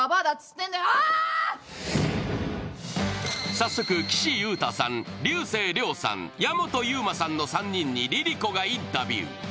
早速、岸優太さん、竜星涼さん、矢本悠馬さんの３人にＬｉＬｉＣｏがインタビュー。